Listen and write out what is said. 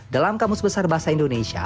dalam kamus besar bahasa indonesia